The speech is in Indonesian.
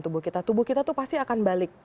tubuh kita tubuh kita tuh pasti akan balik